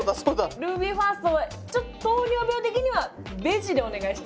ルービーファーストは糖尿病的にはベジでお願いしたい。